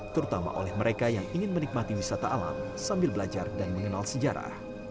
terutama oleh mereka yang ingin menikmati wisata alam sambil belajar dan mengenal sejarah